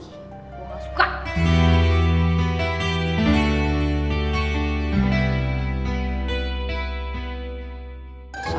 gue gak suka